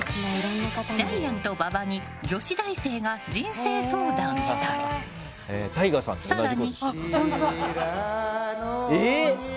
ジャイアント馬場に女子大生が人生相談したり更に。